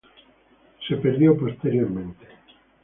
Posteriormente se perdió.